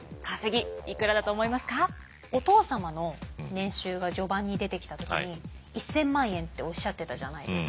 お父様の年収が序盤に出てきた時に１，０００万円っておっしゃってたじゃないですか。